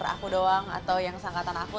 aku doang atau yang seangkatan aku